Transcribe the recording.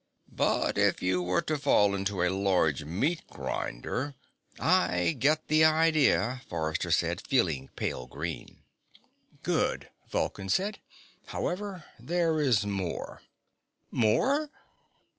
But if you were to fall into a large meat grinder " "I get the idea," Forrester said, feeling pale green. "Good," Vulcan said. "However, there is more." "_More?